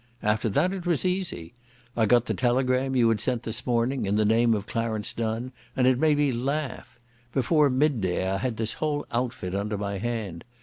After that it was easy. I got the telegram you had sent this morning in the name of Clarence Donne and it made me laugh. Before midday I had this whole outfit under my hand.